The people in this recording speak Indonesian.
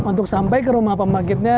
untuk sampai ke rumah pembangkitnya